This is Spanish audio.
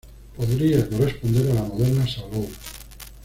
Podría corresponder a la moderna Salou.